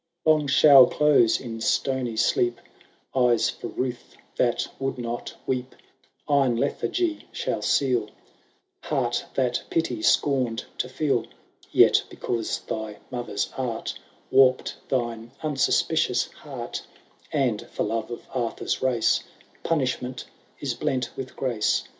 (3 Long shall close in stonj sleep Eyes for ruth that would not weep ; Iron lethaigy shall seal Heart that pity scorned to feel. . Yet, because thy mother^ art Warped thine unsuspicious heart, And for love of Arthur's race. Punishment is blent with grace.